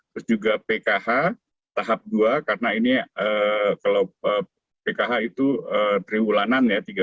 terus juga pkh tahap dua karena ini kalau pkh itu triwulanan ya